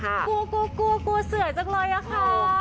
กลัวกลัวเสือจังเลยอะค่ะ